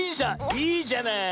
いいじゃない。